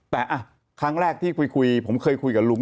แต่ครั้งแรกที่คุยผมเคยคุยกับลุง